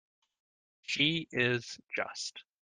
She is just.